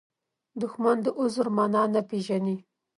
دښمن د عذر معنا نه پېژني